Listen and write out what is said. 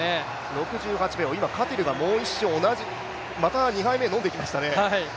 ６８秒、カティルがまた２杯目飲んでいきましたね。